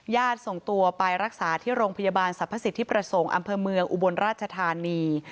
ส่งตัวไปรักษาที่โรงพยาบาลสรรพสิทธิประสงค์อำเภอเมืองอุบลราชธานี